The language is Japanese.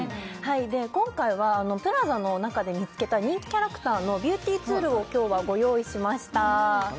今回はＰＬＡＺＡの中で見つけた人気キャラクターのビューティーツールを今日はご用意しましたあら？